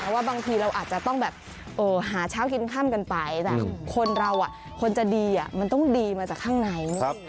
ว่าบางทีเราอาจจะต้องแบบหาเช้ากินค่ำกันไปแต่คนเราคนจะดีมันต้องดีมาจากข้างใน